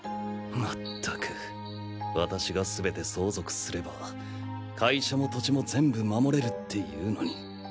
まったく私が全て相続すれば会社も土地も全部守れるっていうのに。